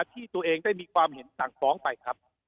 ที่ตัวเองได้มีความเห็นสั่งฟ้องไปครับ